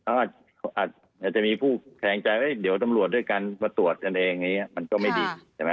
อาจจะมีผู้แข็งใจเดี๋ยวตำรวจด้วยกันมาตรวจกันเองมันก็ไม่ดี